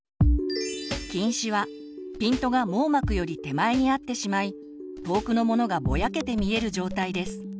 近視はピントが網膜より手前に合ってしまい遠くのものがぼやけて見える状態です。